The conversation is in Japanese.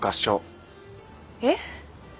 えっ？